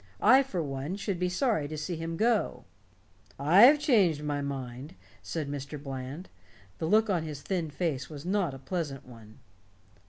I for one should be sorry to see him go." "I've changed my mind," said Mr. Bland. The look on his thin face was not a pleasant one.